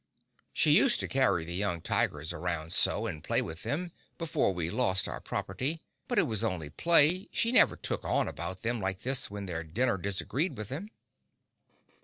She used to carry the young tigers around so, and play with them, before we lost our property; but it was only play; she never took on about them like this when their dinner disagreed with them.